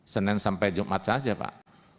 senin sampai jumat saja pak